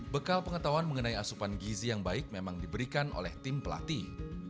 bekal pengetahuan mengenai asupan gizi yang baik memang diberikan oleh tim pelatih